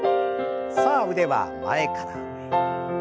さあ腕は前から上へ。